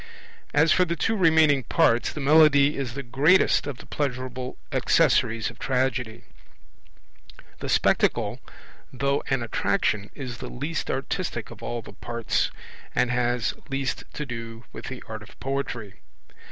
As for the two remaining parts, the Melody is the greatest of the pleasurable accessories of Tragedy. The Spectacle, though an attraction, is the least artistic of all the parts, and has least to do with the art of poetry.